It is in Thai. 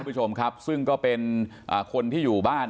คุณผู้ชมครับซึ่งก็เป็นคนที่อยู่บ้าน